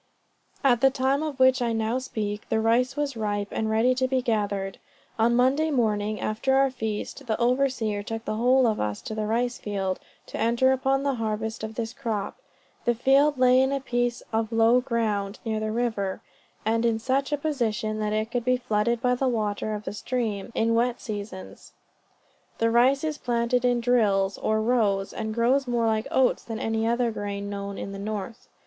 At the time of which I now speak, the rice was ripe, and ready to be gathered. On Monday morning, after our feast, the overseer took the whole of us to the rice field, to enter upon the harvest of this crop. The field lay in a piece of low ground, near the river, and in such a position that it could be flooded by the water of the stream, in wet seasons. The rice is planted in drills, or rows, and grows more like oats than any of the other grain known in the north.